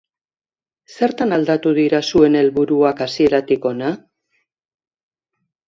Zertan aldatu dira zuen helburuak hasieratik hona?